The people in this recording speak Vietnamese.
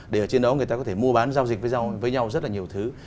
để ở trên đó người ta có thể mua bán giao dịch với nhau rất là nhiều thứ